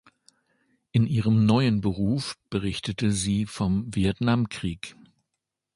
In ihrem neuen Beruf berichtete sie vom Vietnamkrieg.